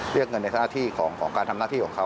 เดี๋ยวขอตรวจสอบในรายละเอียดนะครับ